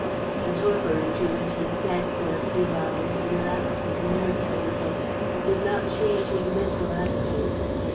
The torpor into which he sank for a few hours relaxed his nerves a little, but did not change his mental attitude.